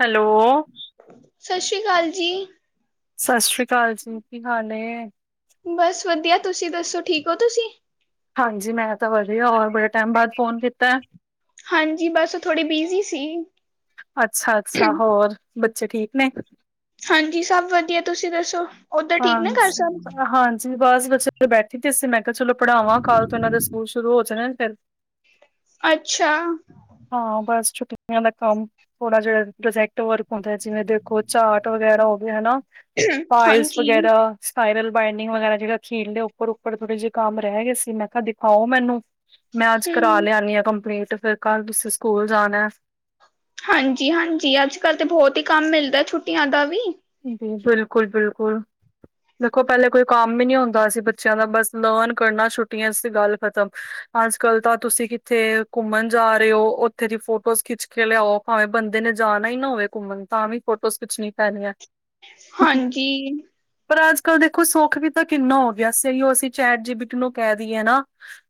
Hello. ਸਤਿ ਸ੍ਰੀ ਅਕਾਲ ਜੀ। ਸਤਿ ਸ੍ਰੀ ਅਕਾਲ ਜੀ, ਕੀ ਹਾਲ ਏ। ਬਸ ਵਧੀਆ ਤੁਸੀਂ ਦੱਸੋ, ਠੀਕ ਹੋ ਤੁਸੀਂ? ਹਾਂਜੀ ਮੈਂ ਤਾਂ ਵਧੀਆ, ਹੋਰ ਬੜੇ ਟਾਈਮ ਬਾਅਦ ਫੋਨ ਕੀਤਾ। ਹਾਂਜੀ ਬਸ ਔ ਥੋੜੀ ਬਿਜ਼ੀ ਸੀ। ਅੱਛਾ, ਅੱਛਾ ਹੋਰ ਬੱਚੇ ਠੀਕ ਨੇ। ਹਾਂਜੀ ਸਭ ਵਧੀਆ ਤੁਸੀਂ ਦੱਸੋ, ਉਧਰ ਠੀਕ ਨੇ ਘਰ ਹਾਂਜੀ, ਸਬ। ਹਾਂਜੀ ਬਸ ਬੱਚੇ ਬੈਠੀ ਤੇ ਅਸੀਂ ਮੈਂ ਕਿਹਾ ਚਲੋ ਪੜ੍ਹਾਵਾਂ, ਕੱਲ੍ਹ ਤੋਂ ਇਹਨਾਂ ਦੇ ਸਕੂਲ ਸ਼ੁਰੂ ਹੋ ਜਾਣੇ ਫਿਰ ਅੱਛਾ। ਹਾਂ ਬਸ ਛੁੱਟੀਆਂ ਦਾ ਕੰਮ। ਥੋੜਾ ਜਿਹਾ ਪ੍ਰੋਜੈਕਟ ਵਰਕ ਹੁੰਦਾ, ਜਿਵੇਂ ਦੇਖੋ ਚਾਰਟ ਵਗੈਰਾ ਹੋ ਗਿਆ ਹੈਨਾ। ਹਾਂਜੀ। ਸਪਾਏਰਲ ਬਾਈੰਡਿੰਗ ਵਗੈਰਾ, ਜਿਹੜਾ ਅਖੀਰਲੇ ਉੱਪਰ ਉੱਪਰ ਥੋੜੇ ਜਿਹੇ ਕੰਮ ਰਹਿ ਗਏ ਸੀ ਮੈਂ ਕਿਆ ਦਿਖਾਓ ਮੈਨੂੰ। ਮੈਂ ਅੱਜ ਕਰਾ ਹਮ ਲਿਆਨੀ ਆ ਕੰਪਲੀਟ, ਫਿਰ ਕੱਲ ਤੁਸੀਂ ਸਕੂਲ ਜਾਨੈ। ਹਾਂਜੀ, ਹਾਂਜੀ ਅੱਜ ਕੱਲ੍ਹ ਤੇ ਬਹੁਤ ਹੀ ਕੰਮ ਮਿਲਦਾ ਛੁੱਟੀਆਂ ਦਾ ਵੀ। ਬਿਲਕੁਲ, ਬਿਲਕੁਲ। ਦੇਖੋ ਪਹਿਲੇ ਕੋਈ ਕੰਮ ਹੀ ਨਹੀਂ ਹੁੰਦਾ ਸੀ ਬੱਚਿਆਂ ਦਾ ਬਸ ਲਰਨ ਕਰਨਾ ਛੁੱਟੀਆਂ ਚ, ਤੇ ਗੱਲ ਖ਼ਤਮ। ਅੱਜ ਕੱਲ ਦਾ ਤੁਸੀਂ ਕਿੱਥੇ ਘੁੰਮਣ ਜਾ ਰਹੇ ਹੋ, ਉਥੇ ਦੀ ਫੋਟੋਸ ਖਿੱਚ ਕੇ ਲਿਆਓ। ਭਾਵੇਂ ਬੰਦੇ ਨੇ ਜਾਨਾਂ ਈ ਨਾ ਹੋਵੇ ਘੁੰਮਣ, ਤਾਂ ਵੀ ਫੋਟੋਸ ਖਿੱਚਣੀ ਪੈਦੀ ਐ। ਹਾਂਜੀ। ਪਰ ਅੱਜ ਕੱਲ ਦੇਖੋ ਸੁੱਖ ਵੀ ਤਾਂ ਕਿੰਨਾ ਹੋ ਗਿਆ, ਸਹੀ ਉਹ ਅਸੀਂ ਚੈਟ ਜੀਬਿਟ ਨੂੰ ਕਹਿ ਦਈਏ ਨਾ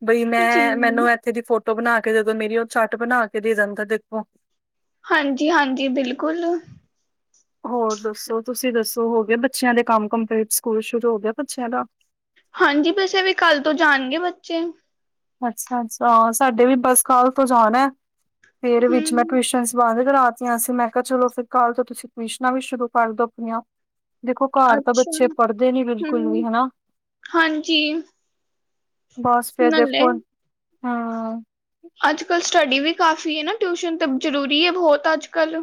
ਬਈ ਜੀ ਮੈਂ ਮੈਨੂੰ ਇੱਥੇ ਦੀ ਫੋਟੋ ਬਣਾ ਕੇ ਦੇਦੋ, ਮੇਰੀ ਉਹ ਝੱਟ ਬਣਾ ਕੇ ਦੇ ਦਿੰਦਾ ਦੇਖੋ। ਹਾਂਜੀ, ਹਾਂਜੀ ਬਿਲਕੁਲ। ਹੋਰ ਦੱਸੋ ਤੁਸੀਂ ਦੱਸੋ, ਹੋਗੇ ਬੱਚਿਆਂ ਦੇ ਕੰਮ ਕੰਪਲੀਟ, ਸਕੂਲ ਸ਼ੁਰੂ ਹੋ ਗਿਆ ਬੱਚਿਆਂ ਦਾ। ਹਾਂਜੀ ਬਸ ਏਹ ਵੀ ਕੱਲ ਤੋਂ ਜਾਣਗੇ ਬੱਚੇ। ਅੱਛਾ-ਅੱਛਾ ਸਾਡੇ ਵੀ ਬਸ ਕਲ ਤੋਂ ਜਾਂਣੈ। ਫੇਰ ਵਿੱਚ ਮੈਂ ਹਮ ਟਿਊਸ਼ਨ ਬੰਦ ਕਰਾਤੀਆਂ ਸੀ, ਮੈਂ ਕਿਹਾ ਚਲੋ ਫਿਰ ਕੱਲ ਤੋਂ ਤੁਸੀਂ। ਟਵੀਸ਼ਨਾਂ ਵੀ ਸ਼ੁਰੂ ਕਰ ਦੋ ਆਪਣੀਆਂ। ਦੇਖੋ ਘਾਰ ਤਾਂ ਅੱਛਾ ਬੱਚੇ ਪੜਦੇ ਨੀ ਬਿਲਕੁਲ ਵੀ ਹਮ ਹੈਨਾ। ਹਾਂਜੀ ਬਸ ਫੇਰ ਦੇਖੋ ਹਾਂ ਆੱਜ-ਕਾੱਲ ਸਟੱਡੀ ਵੀ ਕਾਫ਼ੀ ਏ ਨਾ, ਟਯੁਸ਼ਨ ਤੇ ਜ਼ਰੂਰੀ ਏ ਬੋਹੁਤ ਆੱਜ-ਕਾੱਲ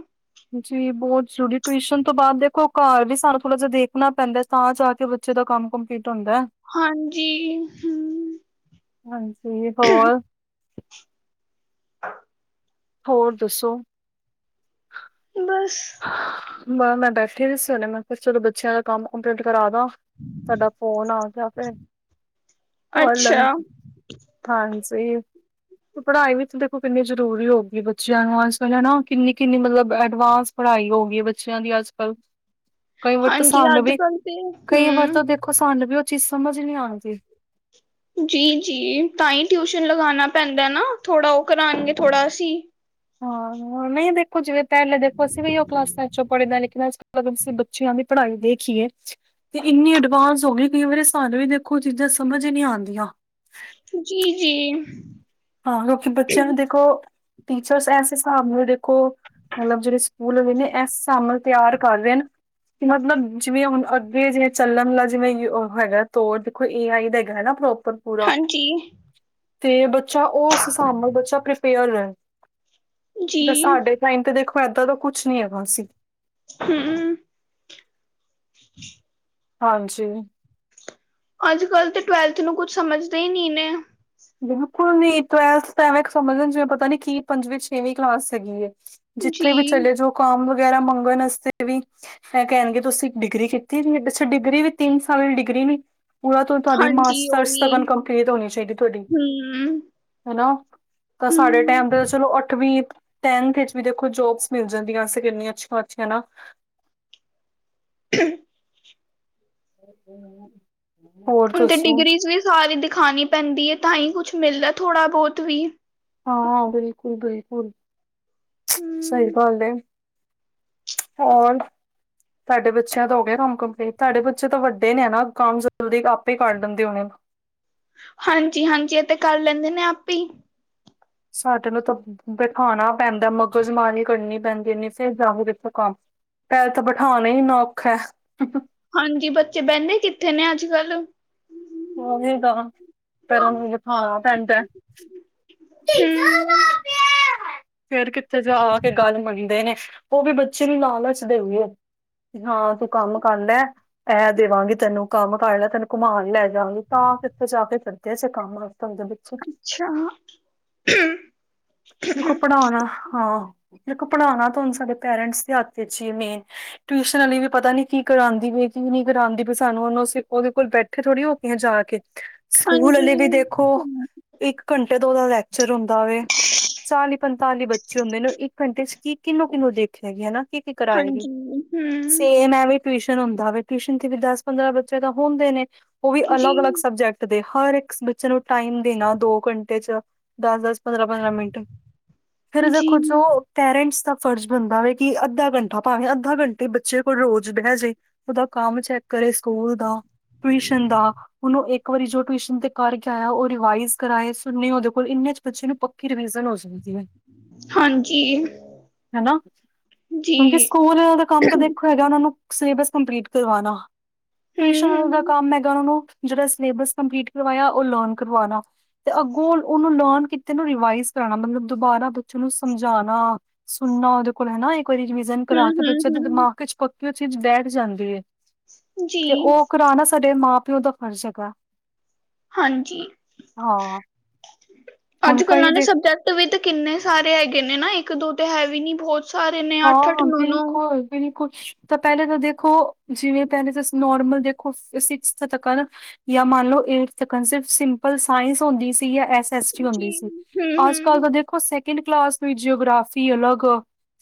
ਜੀ ਬਹੁਤ ਜ਼ਰੂਰੀ, ਟਿਊਸ਼ਨ ਤੋਂ ਬਾਅਦ ਦੇਖੋ ਘਰ ਵੀ ਸਾਨੂੰ ਥੋੜਾ ਜੇਹਾ ਦੇਖਣਾਂ ਪੈਂਦਾ। ਤਾਂ ਜਾ ਕੇ ਬੱਚੇ ਦਾ ਕੰਮ ਕੰਪਲੀਟ ਹੁੰਦੈ। ਹਾਂਜੀ ਹੂ। ਹਾਂਜੀ ਹੋਰ ਹੋਰ ਦੱਸੋ ਬਸ। ਮੈਂ ਬੈਠੀ ਦੀ ਸੀ, ਹੁਣੇ ਮੈਂ ਕਿਹਾ ਚਲੋ ਬੱਚਿਆਂ ਦਾ ਕੰਮ ਕੰਪਲੀਟ ਕਰਾ ਦਾ। ਤੁਹਾਡਾ ਤ ਫੋਨ ਆ ਗਿਆ ਫੇਰ ਅੱਛਾ [unintelligible] ਹਾਂਜੀ। ਪੜਾਈ ਵਿੱਚ ਦੇਖੋ ਕਿੰਨੀ ਜਰੂਰੀ ਹੋਗੀ ਬੱਚਿਆਂ ਨੂੰ ਅੱਜ ਕੱਲ ਹੈਨਾ‌‌, ਕਿੰਨੀ ਕਿੰਨੀ ਮਤਲਬ ਐਡਵਾਂਸ। ਪੜਾਈ ਹੋਗੀ ਏ ਬੱਚੇਆਂ ਦੀ ਆੱਜ-ਕਾੱਲ, ਕਈ ਵਾਰ ਤਾ ਹਾਂਜੀ ਸਾਨੂੰ ਅੱਜ ਵੀ, ਕੱਲ ਤੇ ਕਈ ਵਾਰ ਹਮ ਤਾ ਸਾਨੰ ਵੀ ਓ ਚੀਜ਼ ਸਮਜ ਨੀ ਆਂਦੀ। [unintelligible] ਜੀ-ਜੀ ਤਾਂ ਈ ਟਿਊਸ਼ਨ ਲਗਾਨਾ ਪੈਂਦਾ ਨਾ ਥੋੜਾ ੳਹ ਕਰਾਨਂਗੇ ਥੋੜ੍ਹਾ ਅਸੀਂ। ਹਾਂ ਨਹੀਂ ਦੇਖੋ ਜਿਵੇ ਪਹਿਲੇ ਦੇਖੋ ਅਸੀਂ ਵੀ ਇੳ ਕਲਾਸਾ ਚੋ ਪੜੇ ਦੇ ਆ। ਮਤਲਬ ਅਸੀਂ ਬੱਚੇਆਂ ਦੀ ਪੜਾਈ ਦੇਖੀਏ। ਤੇ ਇੰਨੀ ਐਡਵਾਂਸ ਹੋਗੀ ਕਈ ਵਾਰੀ ਸਾਨੂੰ ਵੀ ਦੇਖੋ ਚੀਜ਼ਾਂ ਸਮਜ ਈ ਨੀ ਆਂਦੀਆ। ਜੀ ਜੀ। ਹਾਂ ਕਿਉਂਕਿ ਬੱਚੇਆਂ ਨੂੰ ਦੇਖੋ ਟੀਚਰਸ ਏਸ ਹਿਸਾਬ ਨਾਲ ਦੇਖੋ। ਮਲਬ ਜਿਹੜੇ ਸਕੂਲ ਆਲੇ ਨੇ ਏਸ ਸਾਬ ਨਾਲ ਤਿਆਰ ਕਰ ਰੇਨ। ਮਤਲਬ ਜਿਵੇਂ ਹੁਨ ਅੱਗੇ ਜਿਵੇਂ [unintelligible] ਚੱਲਣਾ ਜਿਵੇਂ ਉਹ ਹੈਗਾ ਤੋੜ ਕੋਈ ਏ ਆਈ ਦਾ ਹੈਗਾ ਨਾ ਪ੍ਰੋਪਰ। ਪੂਰਾ ਹਾਂਜੀ। ਤੇ ਬੱਚਾ ੳਸ ਸਾਬ ਨਾਲ ਬੱਚਾ ਪ੍ਰੀਪੇਅਰ ਰਹਿ ਜਾ ਜੀ ਸਾਡੇ ਟਾਈਮ ਤੇ ਦੇਖੋ ਏਦਾਂ ਦਾ ਕੁਛ ਨੀ ਹੈਗਾ ਸੀ। ਹੂੰ। ਹਾਂਜੀ। ਅੱਜ ਕੱਲ ਤੇ ਟਵੈਲਥ ਨੂੰ ਕੁੱਛ ਸਮਝਦੇ ਨੀਂ ਨੇ। ਬਿਲਕੁਲ ਨੀ ਟਵੇਲਥ ਤਾਂ ਐਵੇਂ ਕ ਸਮਝਦੇ ਨੇ ਜਿਵੇਂ ਪਤਾ ਨੀ ਕੀ ਪੰਜਵੀਂ ਛੇਵੀਂ ਕਲਾਸ ਹੈਗੀ ਏ। ਜਿੱਥੇ ਵੀ ਜੀ ਚਲੇ ਜੋ ਕੰਮ ਵਗੈਰਾ ਮੰਗਣ ਅਸਤੇ ਵੀ ਫੇਰ ਕਹਿਨਗੇ ਤੁਸੀਂ ਡਿਗਰੀ ਕੀਤੀ ਨੀ ਅੱਛਾ ਡਿਗਰੀ ਵੀ ਤਿੰਨ ਸਾਲੀ ਡਿਗਰੀ ਨੀ ਪੂਰਾ ਤੋਂ ਤੁਹਾਡੀ ਹਾਂਜੀ ਉਹ ਮਾਸਟਰਸ ਵੀ ਤਕਨ ਕੰਪਲੀਟ ਹੋਨੀ ਚਾਹੀਦੀ ਤੋਹਡੀ ਹਮ ਤਾਂ ਸਾਡੇ, [unintelligible] ਹਮ ਟੇਮ ਤੇ ਚਲੋ ਅੱਠਵੀ ਟੇਨਥ ਇਚ ਵੀ ਦੇਖੋ ਜੋਬਸ ਮਿਲ ਜਾਂਦੀਆਂ ਸੀ ਕਿੰਨੀਆਂ ਅੱਛੀਆਂ-ਅੱਛੀਆ ਨਾ। [unintelligible] [unintelligible] [unintelligible] [unintelligible] ਹੋਰ? ਹੁਨ ਤੇ ਦੱਸੋ ਡਿਗਰੀਜ਼ ਵੀ ਸਾਰੀ ਦਿਖਾਨੀ ਪੈਂਦੀ ਏ ਤਾਂ ਹੀ ਕੁਛ ਮਿਲਦਾ ਥੋੜ੍ਹਾ ਬੋਤ ਵੀ। ਹਾਂ ਬਿਲਕੁਲ-ਬਿਲਕੁਲ ਸਹੀ ਹਮ ਗੱਲ ਏ। ਹੋਰ? ਤਾਡੇ ਬੱਚੇਆਂ ਦਾ ਹੋ ਗਿਆ ਕੰਮ ਕੰਪਲੀਟ ਤਹਾਡੇ ਬੱਚੇ ਤਾਂ ਵੱਡੇ ਨੇ ਨਾ ਕੰਮ ਜਲਦੀ ਆਪੇ ਕਰ ਦਿੰਦੇ ਹੋਣੇ। ਹਾਂਜੀ-ਹਾਂਜੀ ਇਹ ਤੇ ਕਰ ਲੈਂਦੇ ਨੇ ਆਪੇ ਈ। ਸਾਡੇ ਨੂੰ ਤਾਂ ਬੈਠਾਣਾ ਪੈਂਦਾ ਮਗਜ਼ਮਾਨੀ ਕਰਨੀ ਪੈਂਦੀ ਇਨੀ ਫਿਰ ਜਾਹ ਇਥੋਂ ਕੰਮ ਪੈਹਲ ਤਾਂ ਬੈਠਾਨਾ ਈ ਇੰਨਾ ਔਖਾ ਹਾਂਜੀ ਬੱਚੇ ਬਹਿੰਦੇ ਕਿੱਥੇ ਨੇ ਅੱਜ-ਕੱਲ ਉਹੀ ਤਾਂ ਫੇਰ ਉਹਨੂੰ ਬਠਾਣਾ ਪੈਂਦਾ। ਹੂੰ ਫੇਰ ਕਿੱਥੇ ਜਾ ਕੇ ਗੱਲ ਮੰਨਦੇ ਨੇ ਉਹ ਵੀ ਬੱਚੇ ਨੂੰ ਲਾਲਚ ਦੇਊ ਇਏ। ਹਾਂ ਤੂੰ ਕੰਮ ਕਰ ਲੇ। ਇਹ ਦੇਵਾਂਗੀ ਤੈਨੂੰ ਕੰਮ ਕਰ ਲੈ ਤੈਨੂੰ ਘੁਮਾਨ ਲੈ ਜਾਂਗੀ ਤਾਂ ਕਿਥੇ ਜਾ ਕੇ ਕਰਦੇ ਸੇ ਕੰਮ ਤੁਦੇ ਬੱਚੇ, [unintelligible] ਅੱਛਾ ਦੇਖੋ ਪੜ੍ਹਾਣਾ ਹਾਂ ਦੇਖੋ ਪੜ੍ਹਾਣਾ ਤੇ ਹੁਨ ਸਾਡੇ ਪੇਰੈਂਟਸ ਦੇ ਹੱਥ ਇਚ ਈ ਏ ਮੇਨ ਟਿਊਸ਼ਨ ਆਲੀ ਵੀ ਪਤਾ ਨੀ ਕੀ ਕਰਾਂਦੀ ਪਈ ਕੀ ਨਹੀਂ ਕਰਾਂਦੀ ਪਈ ਸਾਨੂੰ ਉਹਨੂੰ ਅਸੀਂ ਉਹਦੇ ਕੋਲ ਬੈਠ ਉੱਥੇ ਥੋੜੀ ਹੋ ਕੇਈਆਂ ਜਾ ਕੇ ਸਕੂਲ ਹਾਂਜੀ ਹੇ ਵੀ ਦੇਖੋ, ਇੱਕ ਘੰਟੇ ਤੋਂ ਉਹਦਾ ਲੈ ਕੇ [unintelligible] ਚ ਰੋਂਦਾ ਵੇ। ਚਾਲੀ ਪੰਤਾਲੀ ਬੱਚੇ ਹੁੰਦੇ ਨੇ ਇੱਕ ਘੰਟੇ ਚ ਕੀ ਕਿਹਨੂੰ-ਕਿਹਨੂੰ ਦੇਖੇਗੀ ਹਨਾ ਕਿ ਕਰਾਏਗੀ ਹਾਂਜੀ ਹਮ ਸੇਮ ਏ ਵੀ ਟਿਊਸ਼ਨ ਹੁੰਦਾ ਵੇ ਟਿਊਸ਼ਨ ਤੇ ਵੀ ਦਸ ਪੰਦਰਾਂ ਬੱਚੇ ਤਾਂ ਹੁੰਦੇ ਨੇ ਉਹ ਵੀ ਜੀ ਅਲੱਗ-ਅਲੱਗ ਸਬਜੈਕਟ ਦੇ ਹਰ ਇੱਕ ਬੱਚੇ ਨੂੰ ਟਾਈਮ ਦੇਣਾ ਦੋ ਘੰਟੇ ਚ ਦਸ ਦਸ ਪੰਦਰਾਂ-ਪੰਦਰਾਂ ਮਿੰਟ ਫਿਰ ਜੀ ਦੇਖੋ ਜੋ। ਪੇਰੈਂਟਸ ਦਾ ਫਰਜ਼ ਬਣਦਾ ਵ ਕਿ ਅੱਧਾ ਘੰਟਾ ਭਾਵੇਂ ਅੱਧਾ ਘੰਟੇ ਬੱਚੇ ਕੋਲ ਰੋਜ਼ ਬਹਿਜੇ। ਉਹਦਾ ਕੰਮ ਚੈੱਕ ਕਰੇ ਸਕੂਲ ਦਾ ਟਿਊਸ਼ਨ ਦਾ ਉਹਨੂੰ ਇੱਕ ਇੱਕ ਵਾਰੀ ਜੋ ਟਿਊਸ਼ਨ ਤੇ ਕਰਕੇ ਆਇਆ ਉਹ ਰਿਵਾਈਜ਼ ਕਰਵਾਏ ਸੁਨੇ ਉਹਦੇ ਕੋਲ ਇੰਨਾ ਚ ਬੱਚੇ ਨੂੰ ਪੱਕੀ ਰਵੀਜਨ ਹੋ ਜਾਂਦੀ ਹੈ। ਹਾਂਜੀ ਹਨਾ? ਕਿਉਂਕਿ ਜੀ ਸਕੂਲ ਦਾ ਕੰਮ ਤਾਂ ਦੇਖੋ ਇਹ ਉਹ ਨੂੰ ਸਿਲੇਬਸ ਕੰਪਲੀਟ ਕਰਵਾਣਾ ਹਮ ਟਿਊਸ਼ਨ ਦਾ ਕੰਮ ਹੈਗਾ ਉਹ ਨੂੰ ਜਿਹੜਾ ਸਿਲੇਬਸ ਕੰਪਲੀਟ ਕਰਵਾਇਆ ਉਹ ਲਰਨ ਕਰਵਾਣਾ ਤੇ ਅੱਗੋਂ ਉਹਨੂੰ ਲਰਨ ਕੀਤੇ ਨੂੰ ਰਿਵਾਈਜ਼ ਕਰਾਣਾ ਮਤਲਬ ਦੁਬਾਰਾ ਬੱਚੇ ਨੂੰ ਸਮਝਾਣਾ ਸੁਣਨਾ ਉਹਦੇ ਕੋਲ ਹਨਾ? ਇੱਕ ਵਾਰੀ ਰਿਵਿਜ਼ਨ ਕਰਾ ਹਮ ਕੇ ਹਮ ਬੱਚੇ ਦੇ ਹਮ ਹਮ ਦਿਮਾਗ ਚ ਪੱਕੀ ਚੀਜ਼ ਬੈਠ ਜਾਂਦੀ ਹੈ। ਜੀ ਤੇ ਉਹ ਕਰਾਨਾ ਸਾਡੇ ਮਾਂ ਪਿਓ ਦਾ ਫ਼ਰਜ਼ ਹੈਗਾ। ਹਾਂਜੀ, ਹਾਂ ਹੁਣ ਕਈ ਅੱਜ-ਕੱਲ ਨੇ ਦੇ ਸਬਜੈਕਟ ਵੀ ਤਾਂ ਕਿੰਨੇ ਸਾਰੇ ਹੈਗੇ ਨੇ ਨਾ? ਇੱਕ ਦੋ ਤੇ ਹੈ ਵੀ ਨੀ ਬਹੁਤ ਸਾਰੇ ਨੇ ਅੱਠ ਅੱਠ ਹਾਂ ਨੌ ਨੌ ਬਿਲਕੁਲ-ਬਿਲਕੁਲ। ਤਾਂ ਪਹਿਲੇ ਤਾਂ ਦੇਖੋ ਜਿਵੇਂ ਪਹਿਲੇ ਤੁਸੀਂ ਨੋਰਮਲ ਦੇਖੋ ਸਿਕਸਥ ਤੱਕਰ ਜਾਂ ਮੰਨ ਲੋ ਏਠਤ ਤੱਕ ਸਿੰਪਲ ਸਾਇੰਸ ਹੁੰਦੀ ਸੀ ਐਸ ਐਸ ਜੀ ਹੁੰਦੀ ਸੀ ਹੂੰ ਅੱਜ-ਕੱਲ ਹੂੰ ਤਾਂ ਦੇਖੋ ਸੈਕਿੰਡ ਕਲਾਸ ਵਿੱਚ ਜਿਓਗ੍ਰਾਫੀ ਅਲੱਗ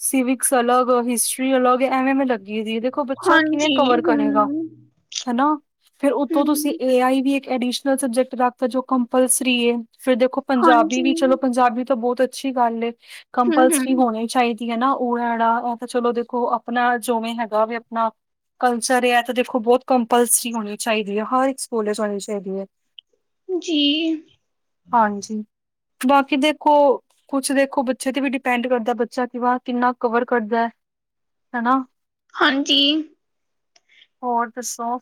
ਸਿਵਿਕਸ ਅਲੱਗ ਹਿਸਟਰੀ ਅਲੱਗ ਐਵੇਂ ਦੀ ਲੱਗੀ ਦੀ ਦੇਖੋ ਬੱਚਾ ਕਿਵੇਂ ਹਾਂਜੀ ਕਵਰ ਹੂੰ ਕਰੇਗਾ ਹਨਾ? ਫੇਰ ਉਤੋਂ ਤੁਸੀਂ ਹੂੰ ਏ ਆਈ ਵੀ ਅਡੀਸ਼ਨਲ ਸਬਜੈਕਟ ਰੱਖਦਾ ਜੋ ਕੰਪਲਸਰੀ ਹੈ ਫੇਰ ਦੇਖੋ ਪੰਜਾਬੀ ਵੀ ਹਾਂਜੀ ਚਲੋ ਪੰਜਾਬੀ ਤਾਂ ਬਹੁਤ ਅੱਛੀ ਗੱਲ ਏ ਹੂੰ ਕੰਪਲਸਰੀ ਹੂੰ ਹੋਣੀ ਚਾਹੀਦੀ ਹੈ ਨਾ ੳ ਅ ਜਿਹੜਾ ਉਹ ਤਾਂ ਚਲੋ ਦੇਖੋ ਆਪਣਾ ਜੋ ਵੀ ਹੈਗਾ ਵੀ ਆਪਣਾ ਕਲਚਰ ਹੈ ਤਾਂ ਦੇਖੋ ਬਹੁਤ ਕੰਪਲਸਰੀ ਹੋਣੀ ਚਾਹੀਦੀ ਹੈ ਹਰ ਇੱਕ ਸਕੂਲ ਚ ਹੋਣੀ ਚਾਹੀਦੀ ਹੈ। ਜੀ ਹਾਂਜੀ ਬਾਕੀ ਦੇਖੋ ਕੁਛ ਦੇਖੋ ਬੱਚੇ ਤੇ ਵੀ ਡਿਪੈਂਡ ਕਰਦਾ ਬੱਚਾ ਵਾ ਕਿੰਨਾ ਕਵਰ ਕਰਦਾ ਹਨਾ? ਹਾਂਜੀ ਹੋਰ ਦੱਸੋ?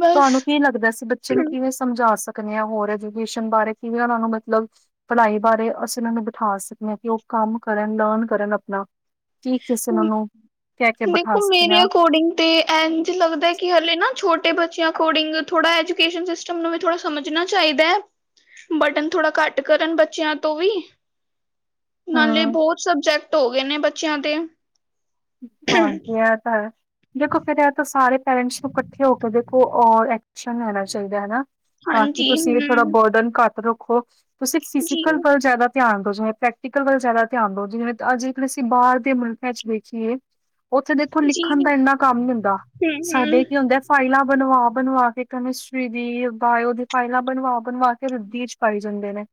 ਬਸ ਤੁਹਾਨੂੰ ਕੀ ਲੱਗਦਾ ਸੀ ਬੱਚੇ ਨੂੰ ਕਿਵੇਂ ਸਮਝਾ ਸਕਦੇ ਹਾਂ ਹੋਰ ਐਜੂਕੇਸ਼ਨ ਬਾਰੇ ਕਿਵੇਂ ਉਹਨਾਂ ਨੂੰ ਮਤਲਬ ਭਲਾਈ ਬਾਰੇ ਅਸੀਂ ਉਹਨਾਂ ਨੂੰ ਬਿਠਾ ਸਕਦੇ ਹਾਂ ਕਿ ਉਹ ਕੰਮ ਕਰਨ ਲਰਨ ਕਰਨ ਆਪਣਾ ਕੀ ਕਿਸੇ ਉਹਨਾਂ ਨੂੰ ਕਹਿ ਕੇ ਬਿਠਾ ਦੇਖੋ ਸਕਦੇ ਮੇਰੇ ਹਾਂ ਅਕੋਰਡਿੰਗ ਤੇ ਇਂਝ ਲੱਗਦਾ ਕਿ ਹਲੇ ਨਾ ਛੋਟੇ ਬੱਚਿਆਂ ਅਕੋਰਡਿੰਗ ਥੋੜ੍ਹਾ ਐਜੂਕੇਸ਼ਨ ਸਿਸ ਟਮ ਨੂੰ ਵੀ ਥੋੜਾ ਸਮਝਣਾ ਚਾਹੀਦਾ ਹੈ। ਬਰਡਨ ਥੋੜ੍ਹਾ ਘੱਟ ਕਰਨ ਬੱਚਿਆਂ ਤੋਂ ਵੀ ਨਾਲੇ ਹਾਂ ਬਹੁਤ ਸਬਜੈਕਟ ਹੋ ਗਏ ਨੇ ਬੱਚਿਆਂ ਦੇ ਹਾਂਜੀ ਏਹ ਤਾਂ ਹੈ। ਦੇਖੋ ਫਿਰ ਇਹ ਤਾਂ ਸਾਰੇ ਪੇਰੈਂਟਸ ਨੂੰ ਇਕੱਠੇ ਹੋ ਕੇ ਦੇਖੋ ਔਰ ਐਕਸ਼ਨ ਲੈਣਾ ਚਾਹੀਦਾ ਹਨਾ? ਤਾਂ ਕਿ ਹਾਂਜੀ ਤੁਸੀਂ ਵੀ ਹੂੰ ਥੋੜ੍ਹਾ ਬਰਡਨ ਘੱਟ ਰੱਖੋ ਤੁਸੀਂ ਜੀ ਫੀਜਿਕਲ ਵੱਲ ਜ਼ਿਆਦਾ ਧਿਆਨ ਦੋ ਜੇ ਪ੍ਰੈਕਟੀਕਲ ਵੱਲ ਜ਼ਿਆਦਾ ਧਿਆਨ ਦਓ ਜਿਵੇਂ ਅਸੀਂ ਬਾਹਰ ਦੇ ਮੁਲਕਾਂ ਚ ਦੇਖੀਏ ਉੱਥੇ ਦੇਖੋ ਜੀ ਲਿਖਣ ਦਾ ਹੂੰ ਇੰਨਾ ਕੰਮ ਨੀ ਹੁੰਦਾ ਹੂੰ ਸਾਡੇ ਕੀ ਹੁੰਦੇ ਫਾਈਲਾਂ ਬਣਵਾ ਬਣਵਾ ਕੇ ਕੈਮਿਸਟਰੀ ਦੀ ਬਾਇਓ ਦੀ ਫਾਈਲਾਂ ਬਣਵਾ ਬਣਵਾ ਕੇ ਰੱਧੀ ਚ ਪਾਈ ਜਾਦੇਂ ਨੇ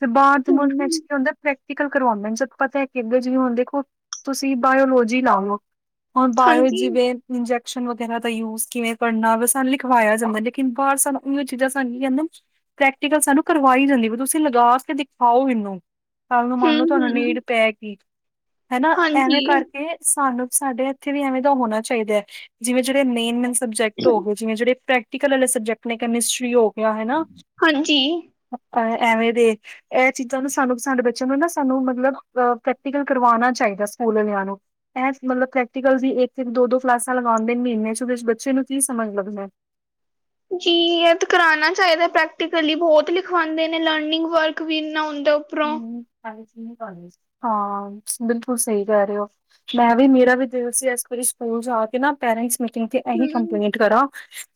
ਤੇ ਬਾਹਰ ਦੇ ਮੁਲਕ ਵਿੱਚ ਹੂੰ ਕੀ ਹੁੰਦਾ ਪ੍ਰੈਕਟੀਕਲ ਕਰਵਾਉਂਦੇ ਜਦ ਪਤਾ ਹੈ ਕਿ ਅੱਗੇ ਜੇ ਹੁਣ ਦੇਖੋ। ਕੀ ਬਾਇਓਲੋਜੀ ਲਾਵੋ, ਹੁਣ ਬਾਇਓ ਵਿੱਚ ਹਾਂਜੀ ਜਿਵੇਂ, ਇੰਜੈਕਸ਼ਨ ਵਗੈਰਾ ਦਾ ਯੂਜ ਕਿਵੇਂ ਕਰਨਾ ਸਾਨੂੰ ਲਿਖਵਾਇਆ ਜਾਂਦਾ ਲੇਕਿਨ ਬਾਹਰ ਸਨ ਓਹ ਚੀਜ਼ਾਂ ਸਨ ਕਹਿੰਦਾ, ਪ੍ਰੈਕਟੀਕਲ ਸਾਨੂੰ ਕਰਵਾਈ ਜਾਂਦੀ ਵੀ ਤੁਸੀਂ ਲਗਾ ਕੇ ਦਿਖਾਓ ਇਹਨੂੰ। ਕੱਲ ਨੂੰ ਹੂੰ ਮੰਨ ਲਓ ਤੁਹਾਨੂੰ ਹੂੰ ਨੀਡ ਪੈਗੀ, ਹਾਂਜੀ ਐਵੇਂ ਕਰਕੇ ਸਾਨੂੰ ਸਾਡੇ ਇੱਥੇ ਵੀ ਐਵੇਂ ਦਾ ਹੋਣਾ ਚਾਹੀਦਾ ਹੈ ਜਿਵੇਂ ਜਿਹੜੇ ਮੇਨ ਮਨ ਸਬਜੈਕਟ ਹੋ ਗਏ ਜਿਵੇਂ ਜਿਹੜੇ ਪ੍ਰੈਕਟੀਕਲ ਵਾਲੇ ਸਬਜੈਕਟ ਨੇ ਕੈਮਿਸਟਰੀ ਹੋ ਗਿਆ ਹਨਾ। ਹਾਂਜੀ ਐਵੇਂ ਦੇ, ਇਹ ਚੀਜ਼ਾਂ ਨੂੰ ਸਾਨੂੰ ਸਾਡੇ ਬੱਚਿਆਂ ਨੂੰ ਨਾ ਸਾਨੂੰ ਮਤਲਬ ਅ ਪ੍ਰੈਕਟੀਕਲ ਕਰਵਾਉਣਾ ਚਾਹੀਦਾ ਸੀ। ਸਕੂਲ ਆਲਿਆ ਨੂੰ, ਇਹ ਮਤਲਬ ਪ੍ਰੈਕਟੀਕਲ ਦੀ ਇੱਕ ਦੋ-ਦੋ ਕਲਾਸਾਂ ਲਗਾਉਂਦੇ ਨੇ ਮਹੀਨੇ ਉਹਦੇ ਵਿੱਚ ਬੱਚੇ ਨੂੰ ਕੀ ਸਮਝ ਲੱਗਦਾ ਹੈ। ਜੀ ਇਹ ਤਾਂ ਕਰਉਣਾ ਚਾਹੀਦਾ ਪ੍ਰੈਕਟੀਕਲੀ ਬਹੁਤ ਲਿਖਵਾਉਂਦੇ ਨੇ ਲਰਨਿੰਗ ਵਰਕ ਵੀ ਇਨਾ ਹੁੰਦਾ, ਉਪਰੋ, ਹੂੰ, ਹਾਂ ਬਿਲਕੁਲ ਸਹੀ ਕਹਿ ਰਹੇ ਹੋ। ਮੈਂ ਵੀ ਮੇਰਾ ਵੀ ਦਿਲ ਸੀ ਇਸ ਵਾਰੀ ਸਕੂਲ ਜਾ ਕੇ ਨਾ ਪੇਰੈਂਟਸ ਮੀਟਿੰਗ ਤੇ ਇਹੀ ਹੂੰ ਕੰਪਲੇਂਟ ਕਰਾਂ।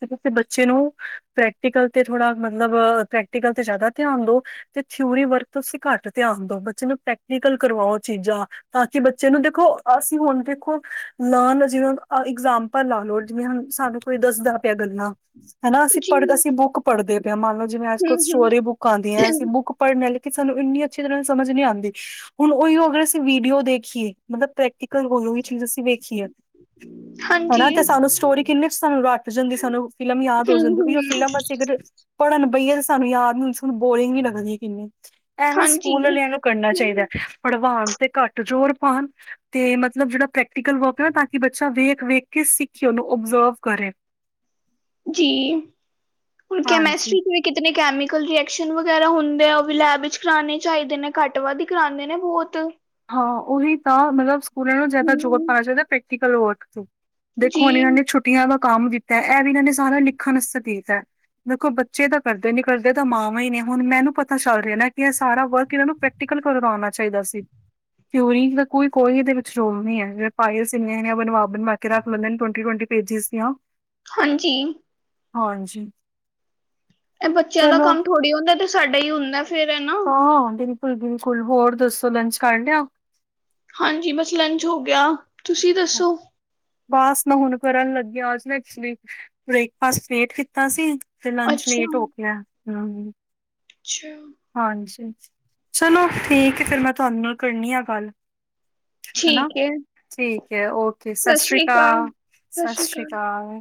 ਕਿਸੇ ਬੱਚੇ ਨੂੰ ਪ੍ਰੈਕਟੀਕਲ ਤੇ ਥੋੜਾ ਮਤਲਬ ਪ੍ਰੈਕਟੀਕਲ ਤੇ ਜ਼ਿਆਦਾ ਧਿਆਨ ਦੋ, ਤੇ ਥਿਊਰੀ ਵਰਕ ਤੋਂਸੀਂ ਘੱਟ ਧਿਆਨ ਦਓ ਬੱਚੇ ਨੂੰ ਪ੍ਰੈਕਟੀਕਲ ਕਰਵਾਓ ਚੀਜ਼ਾਂ। ਤਾਂ ਕਿ ਬੱਚੇ ਨੂੰ ਦੇਖੋ ਅਸੀਂ ਹੁਣ ਦੇਖੋ ਲਨ ਜਿਵੇਂ ਇਗਜ਼ਾਮਲ ਆਪਾਂ ਲਾ ਲਓ ਜਿਵੇਂ ਹੁਣ ਸਾਨੂੰ ਕੋਈ ਦੱਸਦਾ ਪਿਆ ਗੱਲਾਂ, ਹਨਾ ਅਸੀਂ ਜੀ ਪੜ੍ਹਦਾ ਅਸੀਂ ਬੁੱਕ ਪੜ੍ਹਦੇ ਪਿਆ ਮੰਨ ਲਓ, ਜਿਵੇਂ ਅੱਜ-ਕੱਲ ਹੂੰ ਹੂੰ ਸਟੋਰੀ ਬੁਕ ਆਂਦੀਆਂ ਅਸੀਂ ਬੁੱਕ ਪੜਦੇ ਲੇਕਿਨ ਸਾਨੂੰ ਇੰਨੀ ਅੱਛੀ ਤਰ੍ਹਾਂ ਸਮਝ ਨੀ ਆਂਦੀ। ਹੁਣ ਉਹੀ ਹੋ ਗਿਆ ਅਸੀਂ ਵੀਡੀਓ ਦੇਖੀਏ ਮਤਲਬ ਪ੍ਰੈਕਟੀਕਲ ਹੋਈ-ਹੋਈ ਚੀਜ ਅਸੀਂ ਵੇਖੀਏ। ਹਨਾ ਹਾਂਜੀ ਤੇ ਸਾਨੂੰ ਹੂੰ ਸਟੋਰੀ ਕਿੰਨੇ ਚ ਸਾਨ ਰੱਟ ਜਾਂਦੀ ਸਾਨੂੰ ਫਿਲਮ ਯਾਦ ਹੋ ਜਾਂਦੀ ਹੂੰ ਵੀ ਉਹ ਫਿਲਮ ਅਸੀਂ ਅਗਰ, ਪੜ੍ਹਨ ਬਈਏ ਤੇ ਸਾਨੂੰ ਯਾਦ ਨੀ ਸਾਨੂੰ ਬੋਰਿੰਗ ਹੀ ਲੱਗਦੀ ਕਿੰਨੀ ਐਵੇਂ ਹਾਂਜੀ ਸਕੂਲ ਆਲਿਆ ਨੂ ਕਰਨਾ ਚਾਹੀਦਾ ਪੜਵਾਉਣ ਤੇ ਘੱਟ ਜ਼ੋਰ ਪਾਉਣ, ਤੇ ਮਤਲਬ ਜਿਹੜਾ ਪ੍ਰੈਕਟੀਕਲ ਵਰਕ ਆ ਤਾਂ ਕਿ ਬੱਚਾ ਵੇਖ-ਵੇਖ ਕੇ ਸਿੱਖੇ ਓਨੂੰ ਓਬਜ਼ਰਵ ਕਰੇ, ਜੀ, ਹੁਣ ਹਾਂਜੀ ਕੇਮਿਸਟਰੀ ਤੋਂ ਕਿਤਨੇ ਕੈਮੀਕਲ ਰਿੀਐਕਸ਼ਨ ਵਗੈਰਾ ਹੁੰਦੇ ਆ ਉਹ ਵੀ ਲੈਬ ਵਿੱਚ ਕਰਾਣੇ ਚਾਹੀਦੇ ਨੇ ਘੱਟ ਵੱਧ ਹੀ ਕਰਾਦੇ ਨੇ ਬਹੁਤ। ਹਾਂ ਉਹੀ ਤਾਂ ਮਤਲਬ ਸਕੂਲ ਆਲਿਆ ਨੂੰ ਜਿਆਦਾ ਜੋਰ ਹੂੰ ਪਾਣਾ ਚਾਹਿਦਾ ਪ੍ਰੈਕਟੀਕਲ ਵਰਕ ਤੋਂ। ਦੇਖੋ ਜੀ ਹੁਣ ਇਹਨਾਂ ਨੇ ਛੁੱਟੀਆਂ ਦਾ ਕੰਮ ਦਿੱਤਾ ਐਹ ਵੀ ਕਹਿੰਦੇ ਨੇ ਸਾਰਾ ਲਿਖਣ ਆਸਤੇ ਦਿੱਤਾ। ਦੇਖੋ ਬੱਚੇ ਤਾਂ ਕਰਦੇ ਨੀ ਕਰਦੇ ਤਾਂ ਮਾਵਾਂ ਈ ਨੇ ਹੁਣ ਮੈਨੂੰ ਪਤਾ ਚੱਲ ਰਿਹਾ ਨਾ ਕਿ ਐਹ ਸਾਰਾ ਵਰਕ ਇਹਨਾਂ ਨੂੰ ਪੈ ਪੈਕਟੀਕਲ ਕਰਵਾਣਾ ਚਾਹੀਦਾ ਸੀ। ਤੇ ਓਈ ਤਾਂ ਕੋਈ-ਕੋਈ ਏਹਦੇ ਵਿੱਚ ਰੋਲ ਨਈ ਐ ਜਿਵੇ [unintelligible] ਬਣਵਾ-ਬਣਵਾ ਕੇ ਰੱਖ ਲੈਂਦੇ ਨੇ ਟਵਟੀ-ਟਵਟੀ ਪੇਜਿਸ ਦੀਆਂ। ਹਾਂਜੀ। ਹਾਂਜੀ। ਇਹ ਬੱਚਿਆਂ ਦਾ ਚਲੋ ਕੰਮ ਥੋੜ੍ਹੀ ਹੁੰਦਾ ਏ ਤੇ ਸਾਡਾ ਹੀ ਹੁੰਦਾ ਫੇਰ ਐ ਨਾ। ਹਾਂ ਬਿਲਕੁਲ-ਬਿਲਕੁਲ ਹੋਰ ਦੱਸੋ ਲੰਚ ਕਰ ਲਿਆ? ਹਾਂਜੀ ਬਸ ਲੰਚ ਹੋ ਗਿਆ, ਤੁਸੀਂ ਦੱਸੋ? ਬਸ ਮੈ ਹੁਣ ਕਰਨ ਲੱਗੀ ਆ ਅੱਜ ਮੈਂ ਐਕਚੁਲੀ ਬ੍ਰੇਕਫਾਸਟ ਲੇਟ ਕੀਤਾ ਸੀ। ਫਿਰ ਲੰਚ ਅੱਛਾ ਲੇਟ ਹੋ ਗਿਆ। ਅੱਛਾ। ਹਾਂਜੀ, ਚਲੋ ਠੀਕ ਐ ਫਿਰ ਮੈਂ ਤੁਹਾਨੂੰ ਨਾਲ ਕਰਨੀ ਆ ਗੱਲ। ਹਨਾ ਠੀਕ ਏ। ਠੀਕ ਐ ਓਕੇ ਸਤਿ ਸ਼੍ਰੀ ਅਕਾਲ, ਸਤਿ ਸ਼੍ਰੀ ਅਕਾਲ।